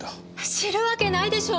知るわけないでしょ！！